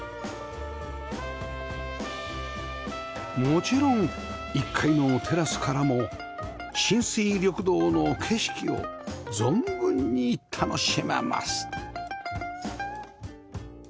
もちろん１階のテラスからも親水緑道の景色を存分に楽しめます